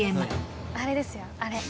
あれですよあれ。